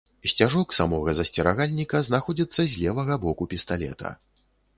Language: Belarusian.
Сцяжок самога засцерагальніка знаходзіцца з левага боку пісталета.